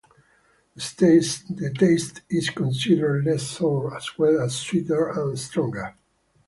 The taste is considered less sour, as well as sweeter and stronger.